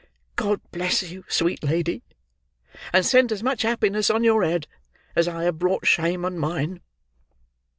God bless you, sweet lady, and send as much happiness on your head as I have brought shame on mine!"